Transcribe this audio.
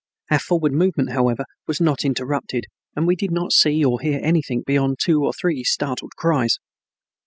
Our forward movement, however, was not interrupted, and we did not see or hear anything beyond two or three startled cries.